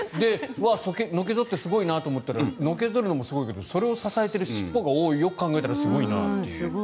のけ反ってすごいなと思ったらのけ反るのもすごいけどそれを支える尻尾がおお、よく考えたらすごいなっていう。